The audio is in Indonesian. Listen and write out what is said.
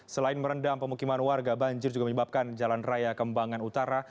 selain merendam pemukiman warga banjir juga menyebabkan jalan raya kembangan utara